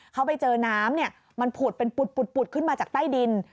เขาไปเจอน้ำมันผุดเป็นปุดขึ้นมาจากใต้ดิน